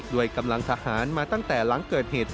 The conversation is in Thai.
กำลังทหารมาตั้งแต่หลังเกิดเหตุ